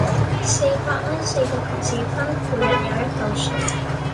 四百蚊四個同志分，每人有一舊水